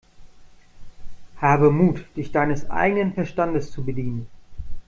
Habe Mut, dich deines eigenen Verstandes zu bedienen!